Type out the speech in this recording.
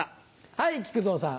はい木久蔵さん。